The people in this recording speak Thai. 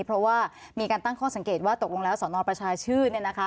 เพราะว่ามีการตั้งข้อสังเกตว่าตกลงแล้วสนประชาชื่นเนี่ยนะคะ